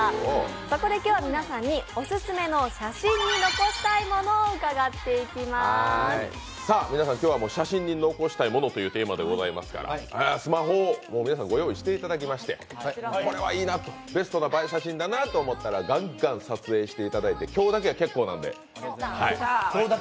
そこで今日は皆さんにオススメの写真に残したいものを皆さん、今日は写真に残したいものというテーマでございますから、スマホを皆さんご用意していただきまして、これはいいなとベストな映え写真だなと思ったらガンガン撮影していただいて今日だけは結構なので。